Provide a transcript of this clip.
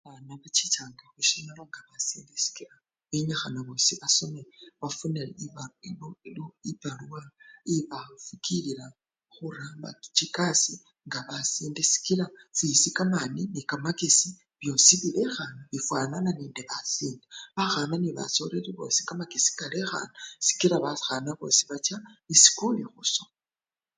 Babana bachichanga khwisomelo nga basinde sikila kenyikhana bosii basome iba ibo ibarwa ibafukilisya khuramba chikasii nga basinde sikila fwesi kamani nekamakesi byosi bilekhana bifanana nende basinde, bakhana nebasinde bosi kamakesi kalekhana kila bakhana bosi bacha esikuli khusoma.